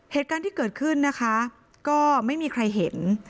เหตุการณ์ที่เกิดขึ้นนะคะก็ไม่มีใครเห็น